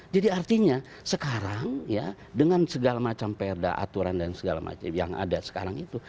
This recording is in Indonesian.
jadi artinya sekarang ya dengan segala macam perda aturan dan segala macam yang ada sekarang itu